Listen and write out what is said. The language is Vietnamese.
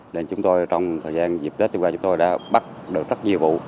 nên chúng tôi trong thời gian dịp tết chúng qua chúng tôi đã bắt được rất nhiều vụ